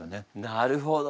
なるほど。